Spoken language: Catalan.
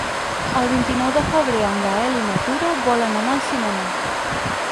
El vint-i-nou de febrer en Gaël i na Tura volen anar al cinema.